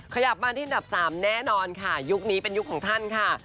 ขยับมาที่อันดับ๓แน่นอนค่ะยุคนี้เป็นยุคของท่านค่ะ